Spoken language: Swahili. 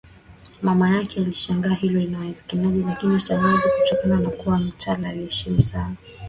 Mama yake alishangaa hilo linawezekanaje lakini shangazi kutokana na kuwa mtawa aliheshimiwa sana